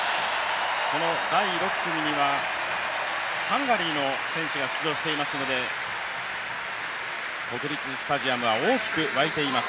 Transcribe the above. この第６組には、ハンガリーの選手が出場していますので国立スタジアムは大きく沸いています。